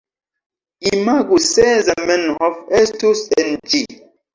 Imagu se Zamenhof estus en ĝi